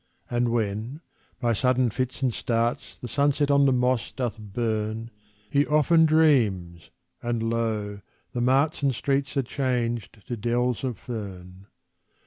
And when by sudden fits and starts The sunset on the moss doth burn, He often dreams, and, lo! the marts And streets are changed to dells of fern.